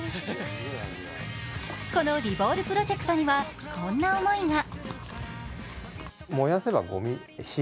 このリボールプロジェクトにはこんな思いが。